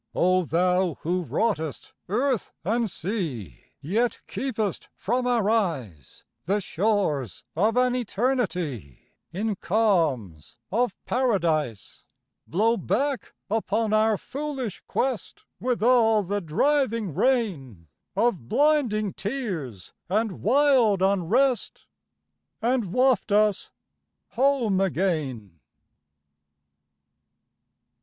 O Thou who wroughtest earth and sea, Yet keepest from our eyes The shores of an eternity In calms of Paradise, Blow back upon our foolish quest With all the driving rain Of blinding tears and wild unrest, And waft us home again.